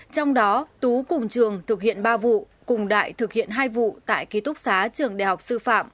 trong đó tú cùng trường thực hiện ba vụ cùng đại thực hiện hai vụ tại ký túc xá trường đại học sư phạm